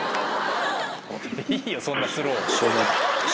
いいよそんなスロー。